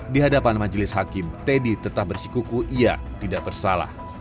di hadapan majelis hakim teddy tetap bersikuku ia tidak bersalah